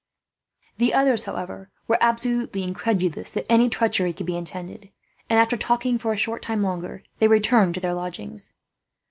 The others, however, were absolutely incredulous that any treachery could be intended and, after talking for a short time, longer, they returned to their lodgings.